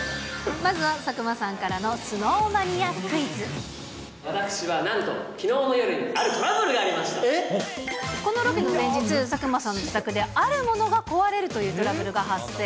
まずは佐久間さんからのスノ私はなんと、きのうの夜にあこのロケの前日、佐久間さんの自宅で、あるものが壊れるというトラブルが発生。